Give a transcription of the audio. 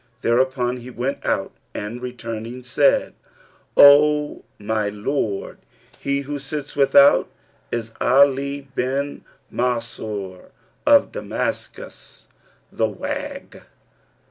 Thereupon he went out and returning, said, "O my lord, he who sits without is Ali bin Mansur of Damascus, the Wag."